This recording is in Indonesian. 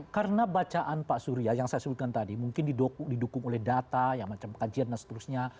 karena bacaan pak surya yang saya sebutkan tadi mungkin didukung oleh data yang macam kajian dan seterusnya